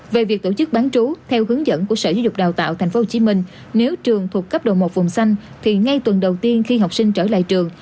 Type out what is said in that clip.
về việc tổ chức bán trú theo hướng dẫn của sở giáo dục đào tạo tp hcm nếu trường thuộc cấp độ một vùng xanh thì ngay tuần đầu tiên khi học sinh trở lại trường